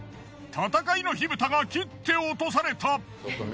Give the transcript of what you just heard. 戦いの火ぶたが切って落とされた！